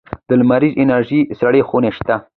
د لمریزې انرژۍ سړې خونې شته؟